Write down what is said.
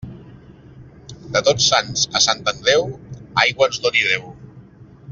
De Tots Sants a Sant Andreu, aigua ens doni Déu.